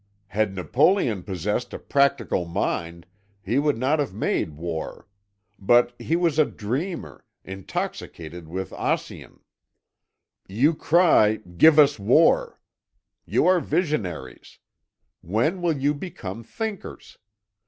Had Napoleon possessed a practical mind he would not have made war; but he was a dreamer, intoxicated with Ossian. You cry, 'Give us war!' You are visionaries. When will you become thinkers?